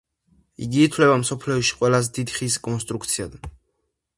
იგი ითვლება მსოფლიოში ყველაზე დიდ ხის კონსტრუქციად.